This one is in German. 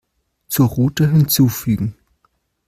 Zur Route hinzufügen.